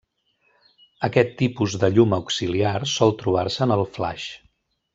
Aquest tipus de llum auxiliar sol trobar-se en el flaix.